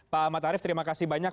pak ahmad arief terima kasih banyak